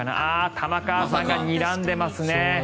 玉川さんが、にらんでますね。